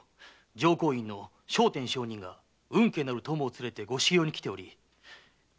浄光院の聖天上人が運慶なる供を連れてご修行に来ており了